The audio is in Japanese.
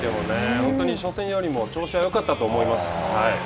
本当に初戦よりも調子はよかったと思います。